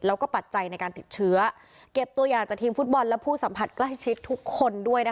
แล้วก็ปัจจัยในการติดเชื้อเก็บตัวอย่างจากทีมฟุตบอลและผู้สัมผัสใกล้ชิดทุกคนด้วยนะคะ